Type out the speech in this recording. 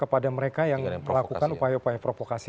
kepada mereka yang melakukan upaya upaya provokasi